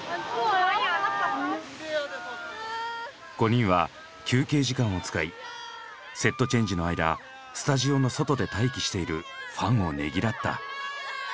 ５人は休憩時間を使いセットチェンジの間スタジオの外で待機しているファンをねぎらった。